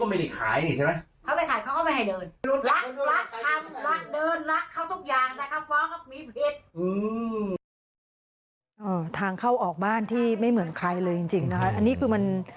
ทางเข้าออกบ้านที่ไม่เหมือนใครเลยจริงนะคะอันนี้คือมัน